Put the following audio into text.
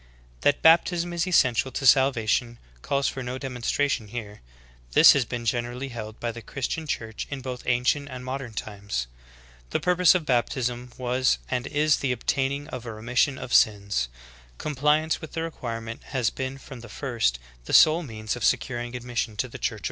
That baptism is essential to salvation calls for no demonstra tion here; this has been generally held by the Christian Church in both ancient and modern times.'* The purpose of baptism was and is the obtaining of a remission of sins; compliance with the requirement has been from the first the sole means of securing admission to the Church of Christ.